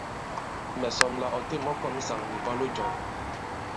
Mɛ̀ sɔm la ɔ têm ɔ kɔ̄m ŋsàŋ nì ìbwalo jɔ̄ŋ.